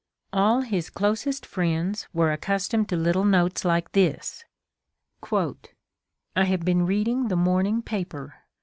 '' All his closest friends were accus tomed to little notes like this: "I have been reading the morning paper.